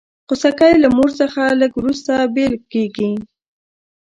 خوسکی له مور څخه لږ وروسته بېل کېږي.